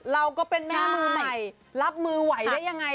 เราก็เป็นแม่มือใหม่รับมือไหวได้ยังไง